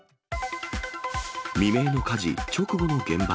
未明の火事、直後の現場。